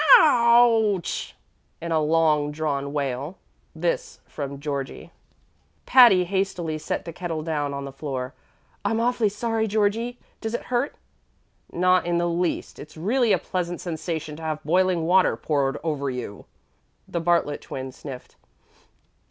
"O u c h!" in a long drawn wail. This from Georgie. Patty hastily set the kettle down on the floor. "I'm awfully sorry, Georgie. Does it hurt?" "Not in the least. It's really a pleasant sensation to have boiling water poured over you." The Bartlet Twin sniffed.